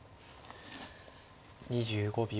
２５秒。